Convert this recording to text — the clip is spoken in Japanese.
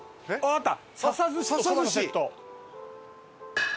あった！